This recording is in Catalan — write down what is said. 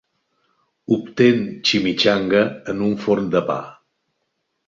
Obtén chimichanga en un forn de pa